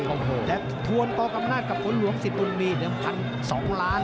และทวนต่อกรรมนาศกับคนหลวงสิทธิ์ปุ่นมี๑๐๐๒ล้าน